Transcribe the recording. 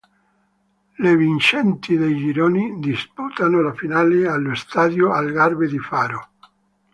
Le vincenti dei gironi disputano la finale allo Estádio Algarve di Faro.